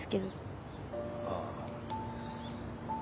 ああ。